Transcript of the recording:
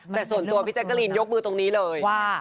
แต่ส่วนตัวพี่แจ๊กกะลีนยกมือตรงนี้เลยว่า